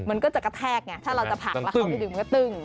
มันก็จะกระแทกไงถ้าเราจะผักแล้วเขาไม่ดื่มก็ตึ้ง